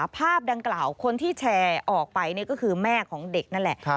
ภาพดังกล่าวคนที่แชร์ออกไปก็คือแม่ของเด็กนั่นแหละ